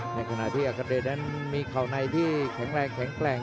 ในขณะที่อัคเดชนั้นมีเข่าในที่แข็งแรงแข็งแกร่ง